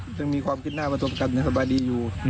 บอกว่ามีความคิดหน้าว่าตัวประกันสบายดีอยู่